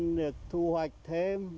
được thu hoạch thêm